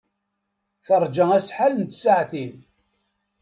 Teṛja acḥal n tsaɛtin.